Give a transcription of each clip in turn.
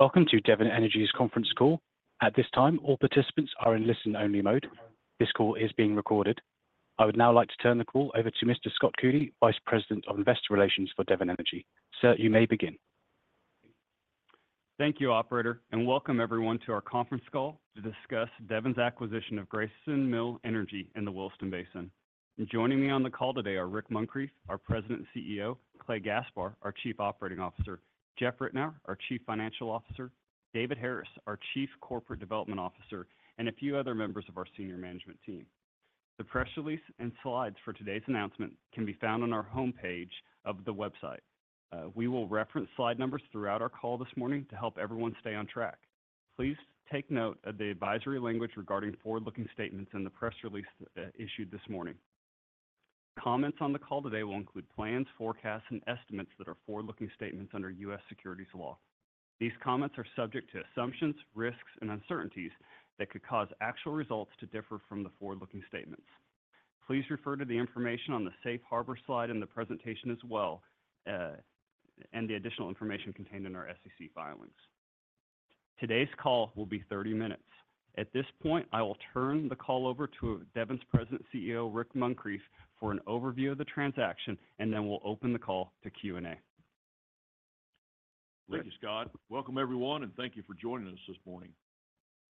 Welcome to Devon Energy's conference call. At this time, all participants are in listen-only mode. This call is being recorded. I would now like to turn the call over to Mr. Scott Coody, Vice President of Investor Relations for Devon Energy. Sir, you may begin. Thank you, operator, and welcome everyone to our conference call to discuss Devon's acquisition of Grayson Mill Energy in the Williston Basin. Joining me on the call today are Rick Muncrief, our President and CEO, Clay Gaspar, our Chief Operating Officer, Jeff Ritenour, our Chief Financial Officer, David Harris, our Chief Corporate Development Officer, and a few other members of our senior management team. The press release and slides for today's announcement can be found on our homepage of the website. We will reference slide numbers throughout our call this morning to help everyone stay on track. Please take note of the advisory language regarding forward-looking statements in the press release, issued this morning. Comments on the call today will include plans, forecasts, and estimates that are forward-looking statements under U.S. securities law. These comments are subject to assumptions, risks, and uncertainties that could cause actual results to differ from the forward-looking statements. Please refer to the information on the Safe Harbor slide in the presentation as well, and the additional information contained in our SEC filings. Today's call will be 30 minutes. At this point, I will turn the call over to Devon's President and CEO, Rick Muncrief, for an overview of the transaction, and then we'll open the call to Q&A. Thank you, Scott. Welcome, everyone, and thank you for joining us this morning.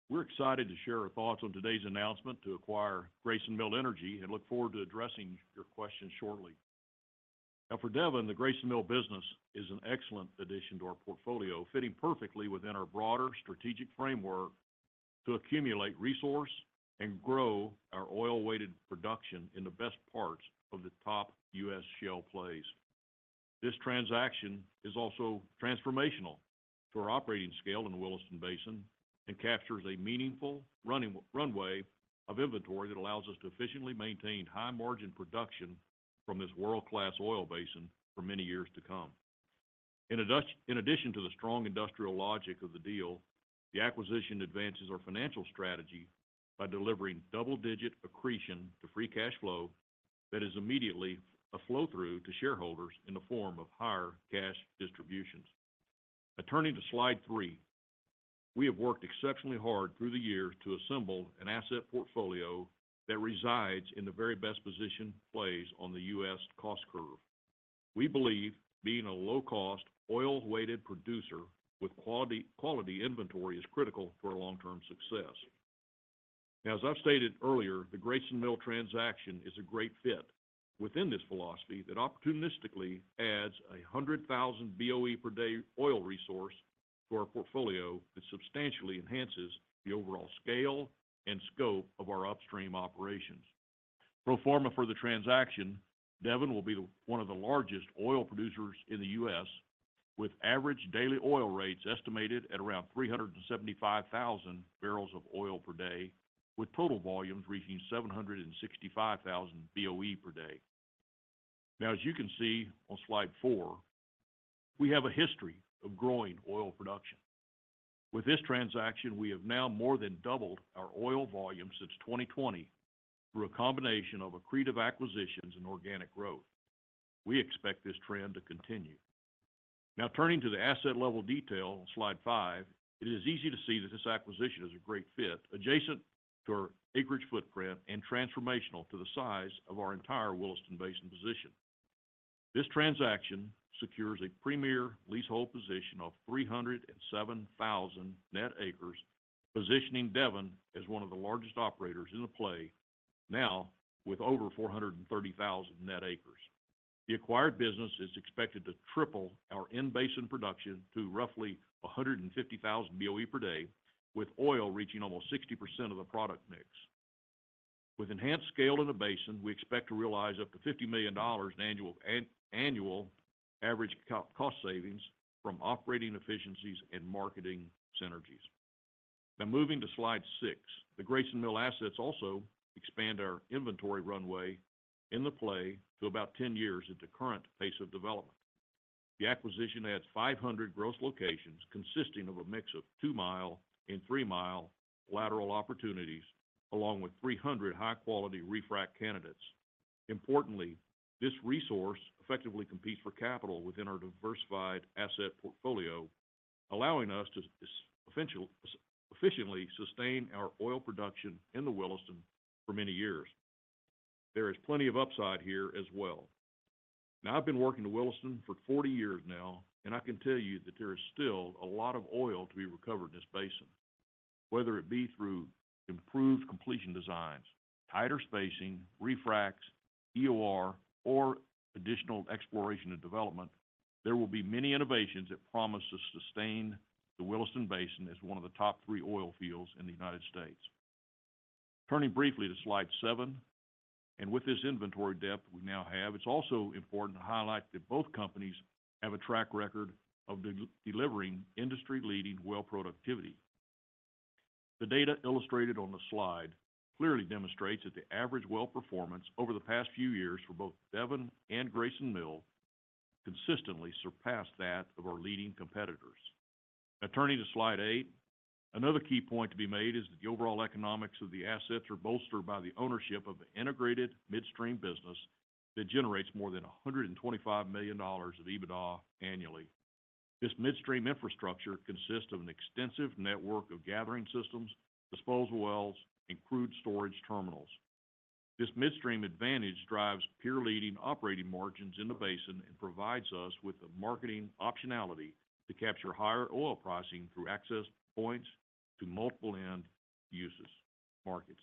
We're excited to share our thoughts on today's announcement to acquire Grayson Mill Energy and look forward to addressing your questions shortly. Now, for Devon, the Grayson Mill business is an excellent addition to our portfolio, fitting perfectly within our broader strategic framework to accumulate resource and grow our oil-weighted production in the best parts of the top U.S. shale plays. This transaction is also transformational to our operating scale in the Williston Basin and captures a meaningful runway of inventory that allows us to efficiently maintain high-margin production from this world-class oil basin for many years to come. In addition to the strong industrial logic of the deal, the acquisition advances our financial strategy by delivering double-digit accretion to Free Cash Flow that is immediately a flow-through to shareholders in the form of higher cash distributions. Now turning to slide three. We have worked exceptionally hard through the years to assemble an asset portfolio that resides in the very best position plays on the U.S. cost curve. We believe being a low-cost, oil-weighted producer with quality, quality inventory is critical for our long-term success. As I've stated earlier, the Grayson Mill transaction is a great fit within this philosophy that opportunistically adds 100,000 Boe per day oil resource to our portfolio that substantially enhances the overall scale and scope of our upstream operations. Pro forma for the transaction, Devon will be the one of the largest oil producers in the U.S., with average daily oil rates estimated at around 375,000 barrels of oil per day, with total volumes reaching 765,000 Boe per day. Now, as you can see on slide four, we have a history of growing oil production. With this transaction, we have now more than doubled our oil volume since 2020 through a combination of accretive acquisitions and organic growth. We expect this trend to continue. Now, turning to the asset level detail on slide five, it is easy to see that this acquisition is a great fit, adjacent to our acreage footprint and transformational to the size of our entire Williston Basin position. This transaction secures a premier leasehold position of 307,000 net acres, positioning Devon as one of the largest operators in the play, now with over 430,000 net acres. The acquired business is expected to triple our in-basin production to roughly 150,000 Boe per day, with oil reaching almost 60% of the product mix. With enhanced scale in the basin, we expect to realize up to $50 million in annual average cost savings from operating efficiencies and marketing synergies. Now, moving to slide six. The Grayson Mill assets also expand our inventory runway in the play to about 10 years at the current pace of development. The acquisition adds 500 gross locations, consisting of a mix of 2-mile and 3-mile lateral opportunities, along with 300 high-quality refrac candidates. Importantly, this resource effectively competes for capital within our diversified asset portfolio, allowing us to efficiently sustain our oil production in the Williston for many years. There is plenty of upside here as well. Now, I've been working in Williston for 40 years now, and I can tell you that there is still a lot of oil to be recovered in this basin. Whether it be through improved completion designs, tighter spacing, refracs, EOR, or additional exploration and development, there will be many innovations that promise to sustain the Williston Basin as one of the top three oil fields in the United States. Turning briefly to slide seven, with this inventory depth we now have, it's also important to highlight that both companies have a track record of delivering industry-leading well productivity. The data illustrated on the slide clearly demonstrates that the average well performance over the past few years for both Devon and Grayson Mill consistently surpassed that of our leading competitors. Now, turning to slide eight. Another key point to be made is that the overall economics of the assets are bolstered by the ownership of the integrated midstream business that generates more than $125 million of EBITDA annually. This midstream infrastructure consists of an extensive network of gathering systems, disposal wells, and crude storage terminals. This midstream advantage drives peer-leading operating margins in the basin and provides us with the marketing optionality to capture higher oil pricing through access points to multiple end uses markets.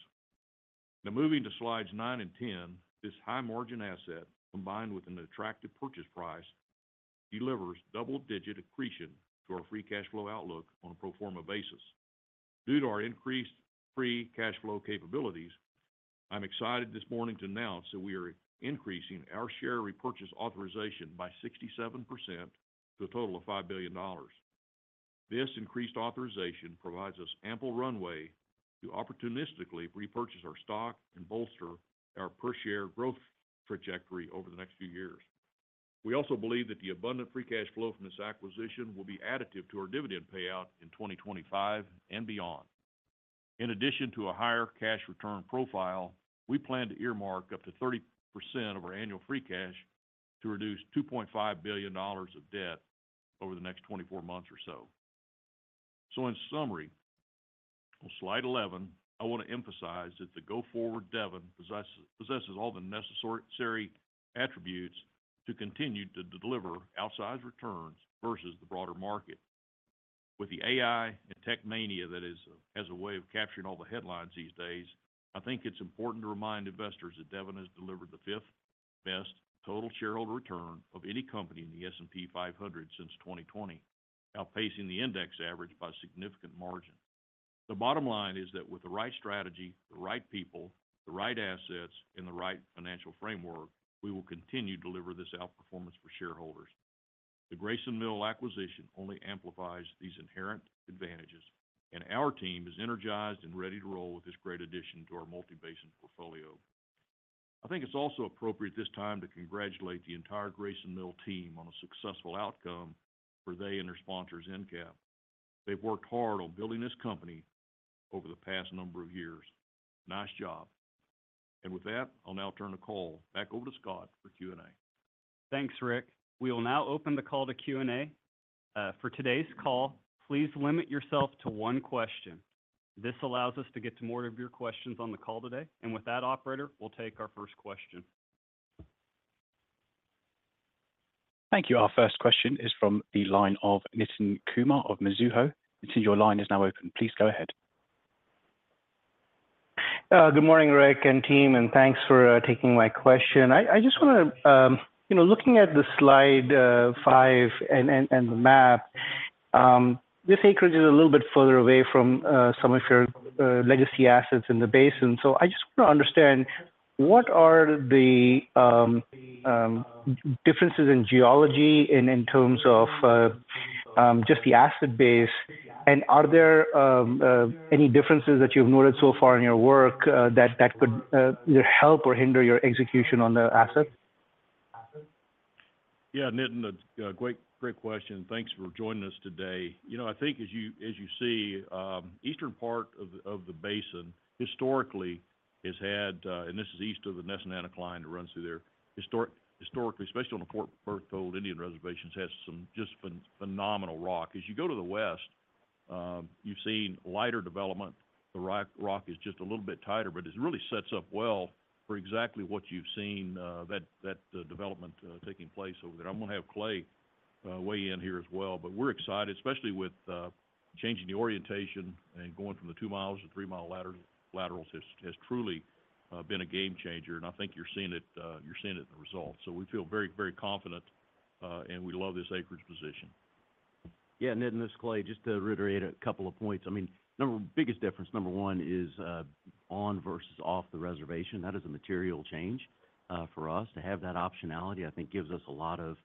Now, moving to slides nine and 10, this high-margin asset, combined with an attractive purchase price, delivers double-digit accretion to our Free Cash Flow outlook on a pro forma basis. Due to our increased Free Cash Flow capabilities, I'm excited this morning to announce that we are increasing our share repurchase authorization by 67% to a total of $5 billion. This increased authorization provides us ample runway to opportunistically repurchase our stock and bolster our per share growth trajectory over the next few years. We also believe that the abundant Free Cash Flow from this acquisition will be additive to our dividend payout in 2025 and beyond. In addition to a higher cash return profile, we plan to earmark up to 30% of our annual free cash to reduce $2.5 billion of debt over the next 24 months or so. So in summary, on slide 11, I want to emphasize that the go-forward Devon possesses all the necessary attributes to continue to deliver outsized returns versus the broader market. With the AI and tech mania that has a way of capturing all the headlines these days, I think it's important to remind investors that Devon has delivered the fifth-best total shareholder return of any company in the S&P 500 since 2020, outpacing the index average by a significant margin. The bottom line is that with the right strategy, the right people, the right assets, and the right financial framework, we will continue to deliver this outperformance for shareholders. The Grayson Mill acquisition only amplifies these inherent advantages, and our team is energized and ready to roll with this great addition to our multi-basin portfolio. I think it's also appropriate at this time to congratulate the entire Grayson Mill team on a successful outcome for they and their sponsors, EnCap. They've worked hard on building this company over the past number of years. Nice job. With that, I'll now turn the call back over to Scott for Q&A. Thanks, Rick. We will now open the call to Q&A. For today's call, please limit yourself to one question. This allows us to get to more of your questions on the call today. And with that, operator, we'll take our first question. Thank you. Our first question is from the line of Nitin Kumar of Mizuho. Nitin, your line is now open. Please go ahead. Good morning, Rick and team, and thanks for taking my question. I just wanna you know, looking at the slide, five and the map, this acreage is a little bit further away from some of your legacy assets in the basin. So I just wanna understand, what are the differences in geology and in terms of just the asset base, and are there any differences that you've noted so far in your work that could either help or hinder your execution on the asset? Yeah, Nitin, that's a great, great question. Thanks for joining us today. You know, I think as you, as you see, eastern part of the, of the basin historically has had and this is east of the Nesson line that runs through there. Historically, especially on the Fort Berthold Indian Reservation, has some just phenomenal rock. As you go to the west, you've seen lighter development. The rock, rock is just a little bit tighter, but it really sets up well for exactly what you've seen, that, that development, taking place over there. I'm gonna have Clay weigh in here as well, but we're excited, especially with changing the orientation and going from the 2-mile to 3-mile laterals has truly been a game changer, and I think you're seeing it, you're seeing it in the results. We feel very, very confident, and we love this acreage position. Yeah, Nitin, this is Clay. Just to reiterate a couple of points. I mean, number one, biggest difference, number one, is on versus off the reservation. That is a material change for us. To have that optionality, I think, gives us a lot of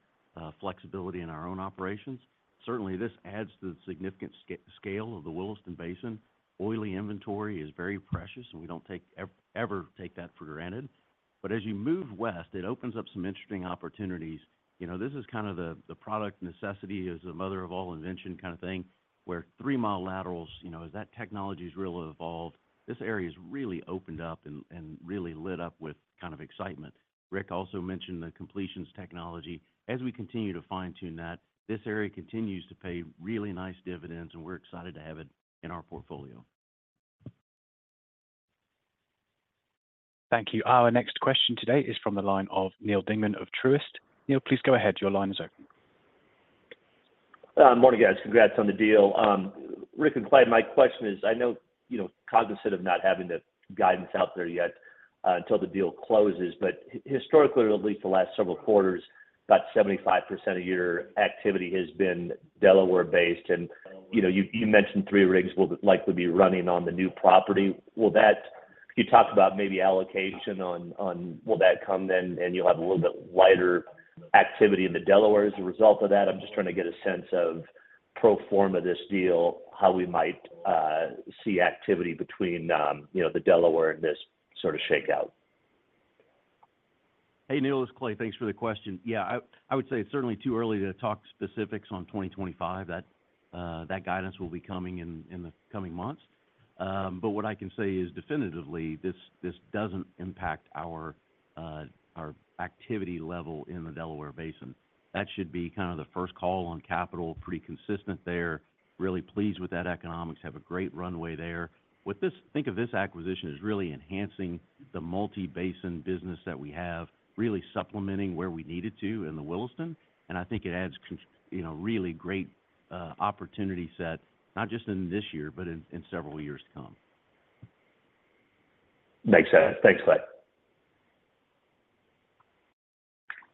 flexibility in our own operations. Certainly, this adds to the significant scale of the Williston Basin. Oily inventory is very precious, and we don't ever take that for granted. But as you move west, it opens up some interesting opportunities. You know, this is kind of the product necessity is the mother of all invention kind of thing, where 3-mile laterals, you know, as that technology has really evolved, this area has really opened up and really lit up with kind of excitement. Rick also mentioned the completions technology. As we continue to fine-tune that, this area continues to pay really nice dividends, and we're excited to have it in our portfolio. Thank you. Our next question today is from the line of Neal Dingmann of Truist. Neal, please go ahead. Your line is open. Morning, guys. Congrats on the deal. Rick and Clay, my question is, I know, you know, cognizant of not having the guidance out there yet, until the deal closes, but historically, at least the last several quarters, about 75% of your activity has been Delaware-based, and, you know, you mentioned three rigs will likely be running on the new property. Can you talk about maybe allocation on, on. Will that come then, and you'll have a little bit lighter activity in the Delaware as a result of that? I'm just trying to get a sense of pro forma this deal, how we might see activity between, you know, the Delaware and this sort of shakeout. Hey, Neal, this is Clay. Thanks for the question. Yeah, I, I would say it's certainly too early to talk specifics on 2025. That, that guidance will be coming in, in the coming months. But what I can say is definitively, this, this doesn't impact our, our activity level in the Delaware Basin. That should be kind of the first call on capital, pretty consistent there. Really pleased with that economics. Have a great runway there. With this, think of this acquisition as really enhancing the multi-basin business that we have, really supplementing where we need it to in the Williston. And I think it adds, you know, really great opportunity set, not just in this year, but in, in several years to come. Makes sense. Thanks, Clay.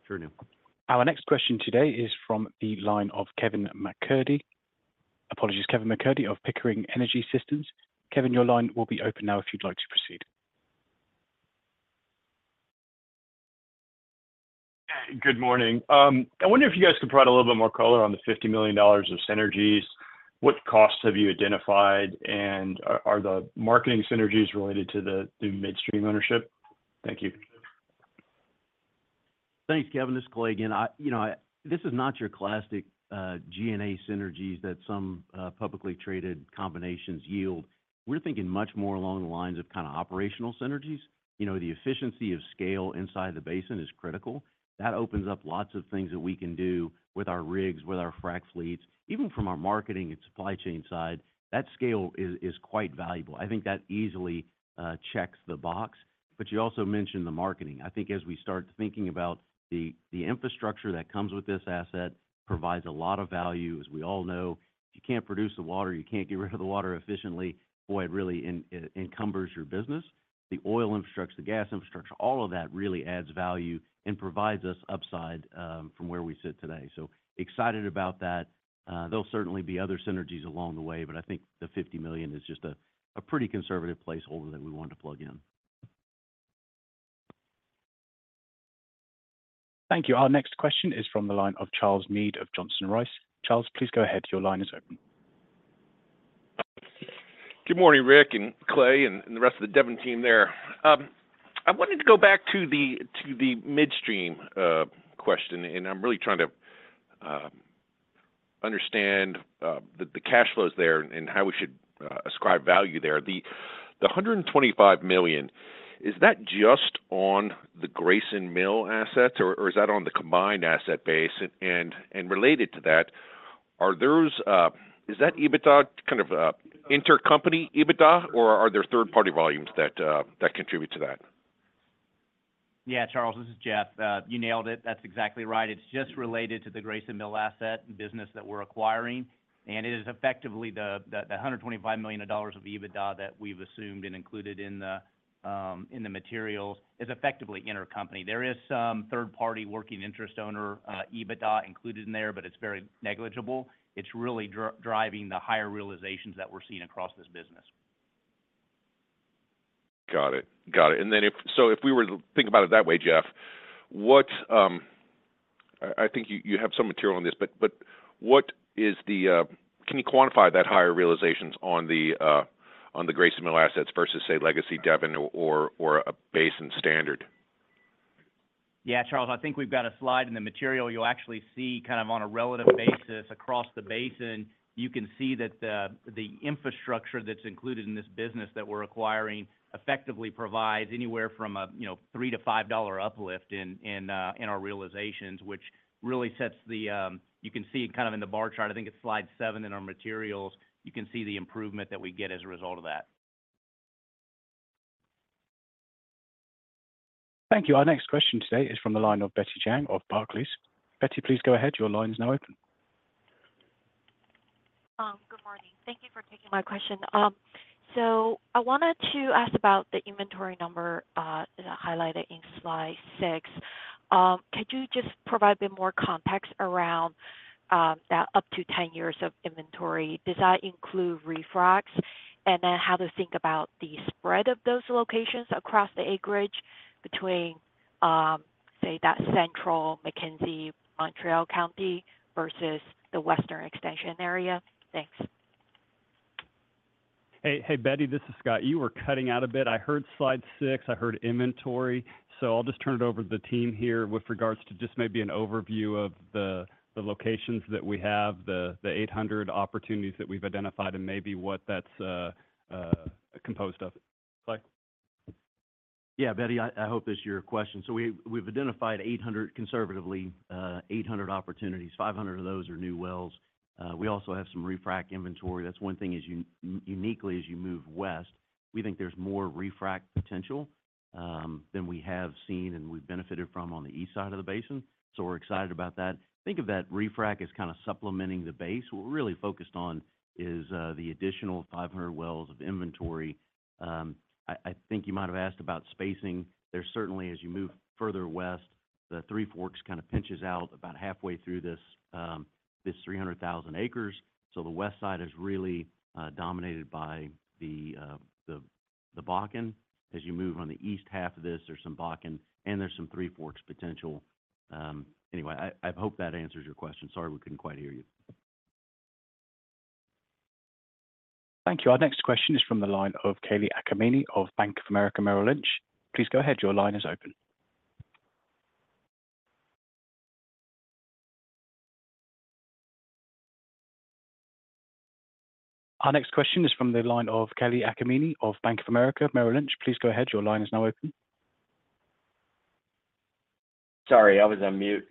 Sure, Neal. Our next question today is from the line of Kevin MacCurdy. Apologies, Kevin MacCurdy of Pickering Energy Partners. Kevin, your line will be open now if you'd like to proceed. Good morning. I wonder if you guys could provide a little bit more color on the $50 million of synergies. What costs have you identified? And are the marketing synergies related to the midstream ownership? Thank you. Thanks, Kevin, this is Clay again. You know, this is not your classic G&A synergies that some publicly traded combinations yield. We're thinking much more along the lines of kind of operational synergies. You know, the efficiency of scale inside the basin is critical. That opens up lots of things that we can do with our rigs, with our frack fleets, even from our marketing and supply chain side. That scale is quite valuable. I think that easily checks the box, but you also mentioned the marketing. I think as we start thinking about the infrastructure that comes with this asset, provides a lot of value. As we all know, if you can't produce the water, you can't get rid of the water efficiently, boy, it really encumbers your business. The oil infrastructure, the gas infrastructure, all of that really adds value and provides us upside, from where we sit today. So excited about that. There'll certainly be other synergies along the way, but I think the $50 million is just a pretty conservative placeholder that we wanted to plug in. Thank you. Our next question is from the line of Charles Meade of Johnson Rice. Charles, please go ahead. Your line is open. Good morning, Rick and Clay, and the rest of the Devon team there. I wanted to go back to the midstream question, and I'm really trying to understand the cash flows there and how we should ascribe value there. The $125 million, is that just on the Grayson Mill assets, or is that on the combined asset base? Related to that, is that EBITDA kind of intercompany EBITDA, or are there third-party volumes that contribute to that? Yeah, Charles, this is Jeff. You nailed it. That's exactly right. It's just related to the Grayson Mill asset business that we're acquiring, and it is effectively the, the $125 million of EBITDA that we've assumed and included in the, in the materials, is effectively intercompany. There is some third-party working interest owner EBITDA included in there, but it's very negligible. It's really driving the higher realizations that we're seeing across this business. Got it. Got it. And then if so if we were to think about it that way, Jeff, what I, I think you, you have some material on this, but, but what is the, Can you quantify that higher realizations on the, on the Grayson Mill assets versus, say, legacy Devon or, or, a basin standard? Yeah, Charles, I think we've got a slide in the material. You'll actually see kind of on a relative basis across the basin, you can see that the infrastructure that's included in this business that we're acquiring effectively provides anywhere from a, you know, $3-$5 uplift in our realizations, which really sets the you can see it kind of in the bar chart, I think it's slide seven in our materials. You can see the improvement that we get as a result of that. Thank you. Our next question today is from the line of Betty Jiang of Barclays. Betty, please go ahead. Your line is now open. Good morning. Thank you for taking my question. So I wanted to ask about the inventory number highlighted in slide 6. Could you just provide a bit more context around that up to 10 years of inventory? Does that include refracs? And then how to think about the spread of those locations across the acreage between, say, that central McKenzie, Mountrail County versus the Western Extension area? Thanks. Hey, hey, Betty, this is Scott. You were cutting out a bit. I heard slide six. I heard inventory, so I'll just turn it over to the team here with regards to just maybe an overview of the locations that we have, the 800 opportunities that we've identified and maybe what that's composed of. Clay? Yeah, Betty, I hope this is your question. So we, we've identified 800, conservatively, 800 opportunities. 500 of those are new wells. We also have some refrac inventory. That's one thing, as you uniquely, as you move west, we think there's more refrac potential than we have seen and we've benefited from on the east side of the basin. So we're excited about that. Think of that refrac as kind of supplementing the base. What we're really focused on is the additional 500 wells of inventory. I think you might have asked about spacing. There's certainly, as you move further west, the Three Forks kind of pinches out about halfway through this 300,000 acres. So the west side is really dominated by the Bakken. As you move on the east half of this, there's some Bakken, and there's some Three Forks potential. Anyway, I hope that answers your question. Sorry, we couldn't quite hear you. Thank you. Our next question is from the line of Kalei Akamine of BofA Securities. Please go ahead. Your line is open. Our next question is from the line of Kalei Akamine of BofA Securities. Please go ahead. Your line is now open. Sorry, I was on mute.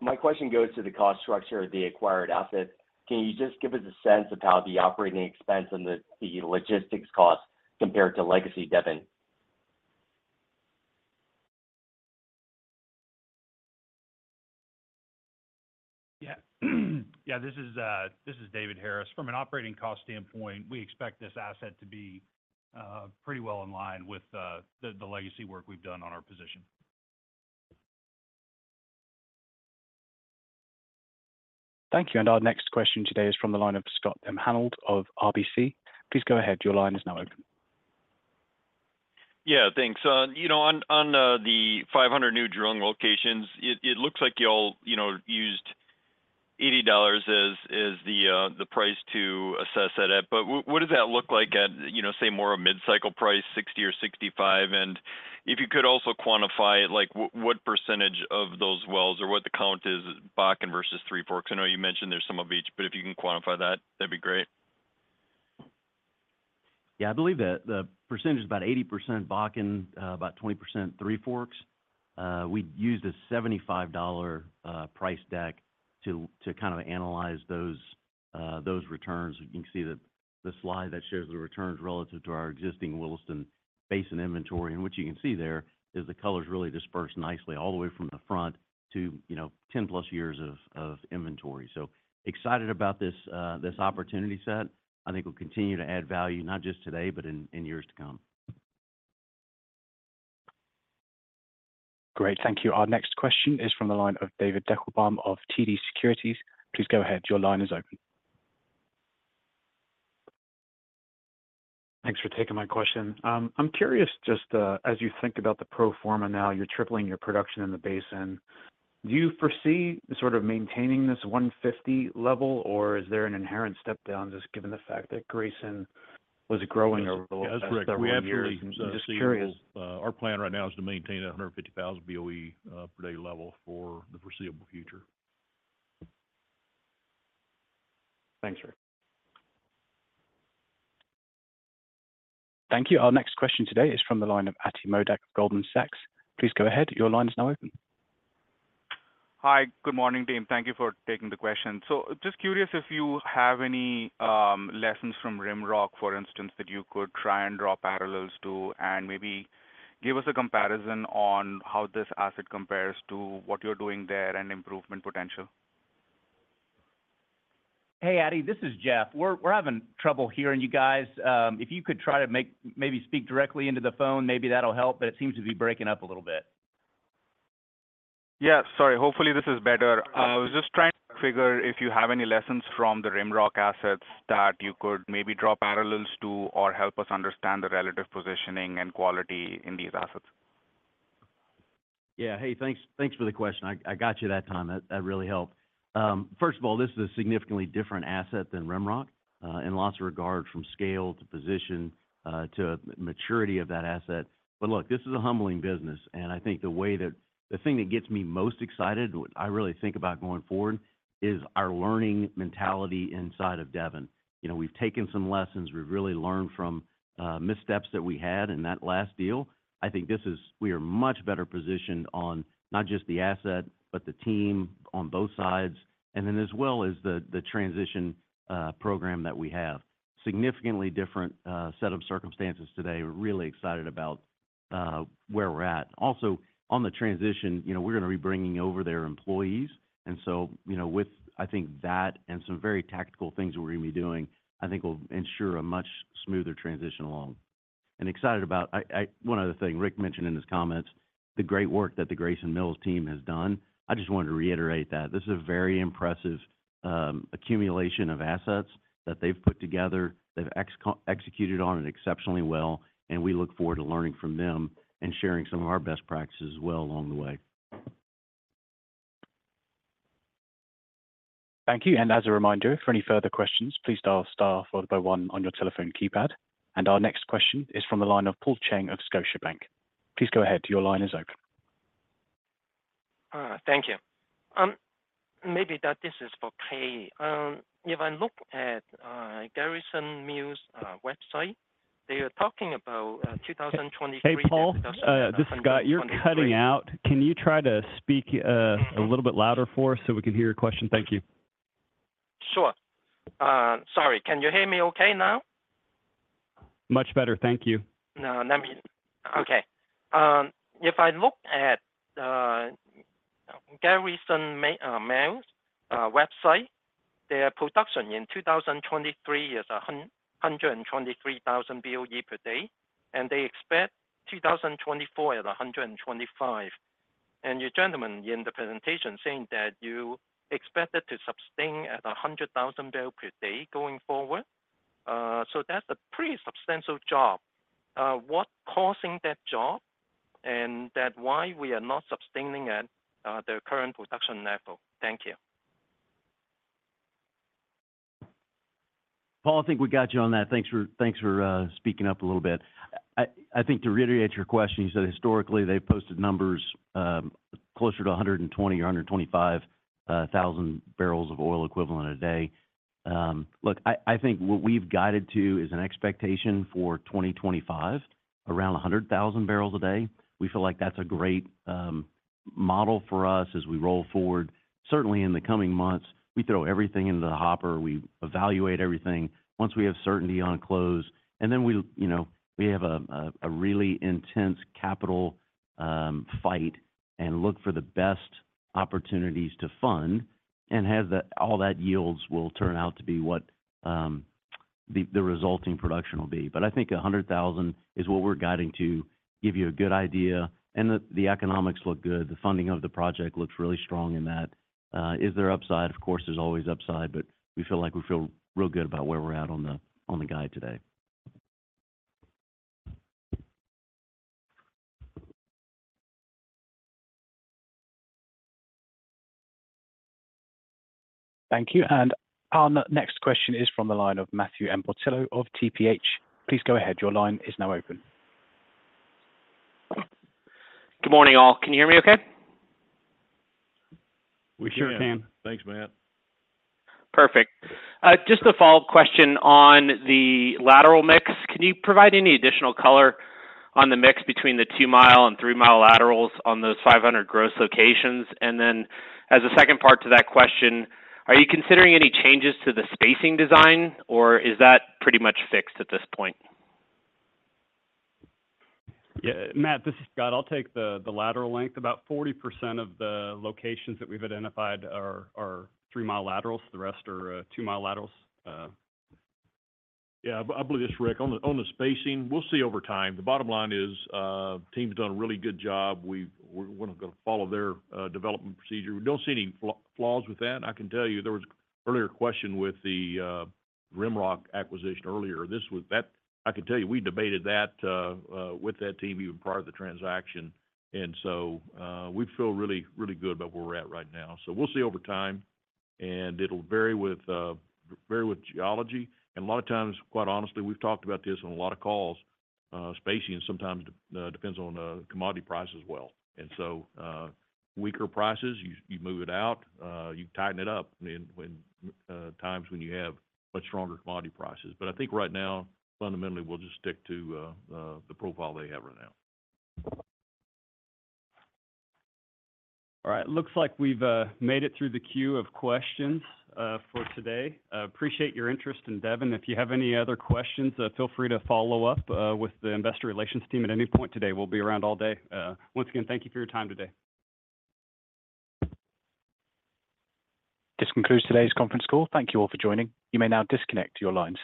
My question goes to the cost structure of the acquired asset. Can you just give us a sense of how the operating expense and the logistics costs compare to legacy Devon? Yeah. Yeah. This is David Harris. From an operating cost standpoint, we expect this asset to be pretty well in line with the legacy work we've done on our position. Thank you, and our next question today is from the line of Scott Hanold of RBC. Please go ahead. Your line is now open. Yeah, thanks. You know, on the 500 new drilling locations, it looks like y'all, you know, used $80 as the price to assess that at. But what does that look like at, you know, say, more a mid-cycle price, $60 or $65? And if you could also quantify, like, what percentage of those wells or what the count is Bakken versus Three Forks. I know you mentioned there's some of each, but if you can quantify that, that'd be great. Yeah, I believe the percentage is about 80% Bakken, about 20% Three Forks. We used a $75 price deck to kind of analyze those returns. You can see the slide that shows the returns relative to our existing Williston Basin inventory. And what you can see there is the colors really dispersed nicely all the way from the front to, you know, 10+ years of inventory. So excited about this opportunity set. I think we'll continue to add value, not just today, but in years to come. Great. Thank you. Our next question is from the line of David Deckelbaum of TD Securities. Please go ahead. Your line is open. Thanks for taking my question. I'm curious, just, as you think about the pro forma now, you're tripling your production in the basin. Do you foresee sort of maintaining this 150 level, or is there an inherent step down, just given the fact that Grayson was growing over the last several years? I'm just curious. Our plan right now is to maintain 150,000 BOE per day level for the foreseeable future. Thanks, Rick. Thank you. Our next question today is from the line of Ati Modak, Goldman Sachs. Please go ahead. Your line is now open. Hi. Good morning, team. Thank you for taking the question. So just curious if you have any lessons from RimRock, for instance, that you could try and draw parallels to, and maybe give us a comparison on how this asset compares to what you're doing there and improvement potential. Hey, Ati, this is Jeff. We're, we're having trouble hearing you guys. If you could try to make... Maybe speak directly into the phone, maybe that'll help, but it seems to be breaking up a little bit. Yeah, sorry. Hopefully, this is better. I was just trying to figure if you have any lessons from the RimRock assets that you could maybe draw parallels to or help us understand the relative positioning and quality in these assets. Yeah. Hey, thanks, thanks for the question. I, I got you that time. That, that really helped. First of all, this is a significantly different asset than RimRock, in lots of regards, from scale to position, to maturity of that asset. But look, this is a humbling business, and I think the way that the thing that gets me most excited, what I really think about going forward, is our learning mentality inside of Devon. You know, we've taken some lessons. We've really learned from missteps that we had in that last deal. I think this is we are much better positioned on not just the asset, but the team on both sides, and then as well as the, the transition program that we have. Significantly different set of circumstances today. We're really excited about where we're at. Also, on the transition, you know, we're gonna be bringing over their employees, and so, you know, with, I think that and some very tactical things we're gonna be doing, I think will ensure a much smoother transition along. And excited about one other thing, Rick mentioned in his comments, the great work that the Grayson Mill's team has done. I just wanted to reiterate that. This is a very impressive accumulation of assets that they've put together. They've executed on it exceptionally well, and we look forward to learning from them and sharing some of our best practices as well along the way. Thank you. And as a reminder, for any further questions, please dial star followed by one on your telephone keypad. And our next question is from the line of Paul Cheng of Scotiabank. Please go ahead. Your line is open. Thank you. Maybe that this is for Clay. If I look at Grayson Mill's website, they are talking about 2023- Hey, Paul, this is Scott. You're cutting out. Can you try to speak a little bit louder for us so we can hear your question? Thank you. Sure. Sorry, can you hear me okay now? Much better. Thank you. No, let me okay. If I look at Grayson Mill's website, their production in 2023 is 123,000 Boe per day, and they expect 2024 at 125,000 Boe per day. And you gentlemen, in the presentation, saying that you expect it to sustain at 100,000 barrels per day going forward. So that's a pretty substantial drop. What causing that drop? And that why we are not sustaining at the current production level? Thank you. Paul, I think we got you on that. Thanks for speaking up a little bit. I think to reiterate your question, you said historically they've posted numbers closer to 120,000 or 125,000 barrels of oil equivalent a day. Look, I think what we've guided to is an expectation for 2025, around 100,000 barrels a day. We feel like that's a great model for us as we roll forward. Certainly, in the coming months, we throw everything into the hopper, we evaluate everything. Once we have certainty on close, and then we, you know, we have a really intense capital fight and look for the best opportunities to fund and have that all that yields will turn out to be what the resulting production will be. But I think 100,000 is what we're guiding to give you a good idea, and the economics look good. The funding of the project looks really strong in that. Is there upside? Of course, there's always upside, but we feel real good about where we're at on the guide today. Thank you. Our next question is from the line of Matthew Portillo of TPH. Please go ahead. Your line is now open. Good morning, all. Can you hear me okay? We sure can. Thanks, Matt. Perfect. Just a follow-up question on the lateral mix. Can you provide any additional color on the mix between the two-mile and three-mile laterals on those 500 gross locations? And then, as a second part to that question, are you considering any changes to the spacing design, or is that pretty much fixed at this point? Yeah, Matt, this is Scott. I'll take the lateral length. About 40% of the locations that we've identified are 3-mile laterals, the rest are 2-mile laterals. Yeah, I believe this is Rick. On the spacing, we'll see over time. The bottom line is, team's done a really good job. We're gonna follow their development procedure. We don't see any flaws with that. I can tell you there was an earlier question with the RimRock acquisition earlier. This was that. I can tell you we debated that with that team even prior to the transaction, and so we feel really, really good about where we're at right now. So we'll see over time, and it'll vary with geology. And a lot of times, quite honestly, we've talked about this on a lot of calls, spacing sometimes depends on the commodity price as well. And so, weaker prices, you move it out, you tighten it up when times when you have much stronger commodity prices. But I think right now, fundamentally, we'll just stick to the profile they have right now. All right. It looks like we've made it through the queue of questions for today. Appreciate your interest in Devon. If you have any other questions, feel free to follow up with the investor relations team at any point today. We'll be around all day. Once again, thank you for your time today. This concludes today's conference call. Thank you all for joining. You may now disconnect your lines.